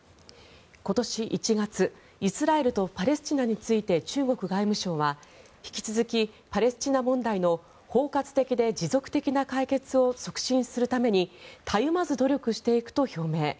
今年１月イスラエルとパレスチナについて中国外務省は引き続きパレスチナ問題の包括的で持続的な解決を促進するためにたゆまず努力していくと表明。